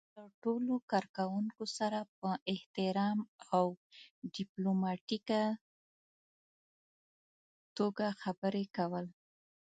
له ټولو کار کوونکو سره په احترام او ډيپلوماتيکه توګه خبرې کول.